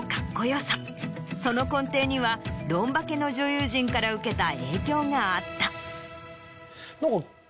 その根底には『ロンバケ』の女優陣から受けた影響があった。